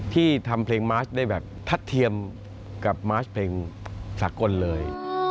ที่ทำเพลงมาร์ชได้แบบทัดเทียมกับมาร์ชเพลงสากลเลย